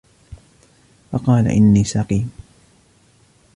فَقَالَ إِنِّي سَقِيمٌ